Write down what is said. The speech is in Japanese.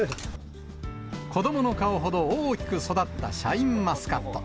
子どもの顔ほど大きく育ったシャインマスカット。